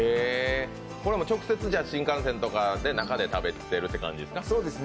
これは直接、新幹線とかで中で食べてるって感じですか？